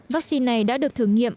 vaccine này đã được thử nghiệm